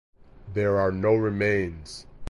There are no remains.